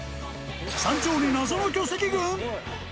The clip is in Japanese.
山頂に謎の巨石群？